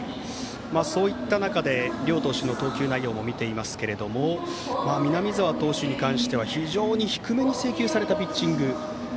そういった中で両投手の投球内容を見ますと南澤投手に関しては非常に低めに制球されたピッチング。